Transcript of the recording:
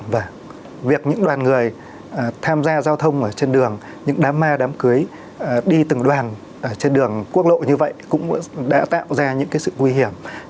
vâng việc những đoàn người tham gia giao thông trên đường những đám ma đám cưới đi từng đoàn trên đường quốc lộ như vậy cũng đã tạo ra những sự nguy hiểm